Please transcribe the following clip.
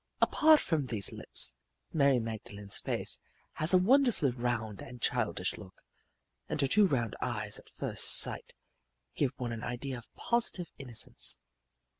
Apart from these lips, Mary Magdalene's face has a wonderfully round and childish look, and her two round eyes at first sight give one an idea of positive innocence.